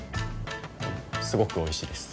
すごくおいしいです。